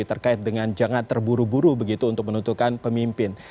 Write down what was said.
terkait dengan jangan terburu buru begitu untuk menentukan pemimpin